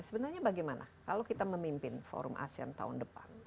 sebenarnya bagaimana kalau kita memimpin forum asean tahun depan